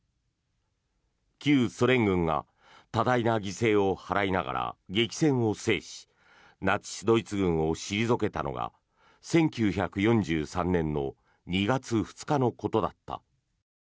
旧ソ連軍が多大な犠牲を払いながら激戦を制しナチス・ドイツ軍を退けたのが１９４３年の２月２日のことだった。